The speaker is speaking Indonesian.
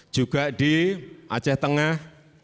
juga di aceh tengah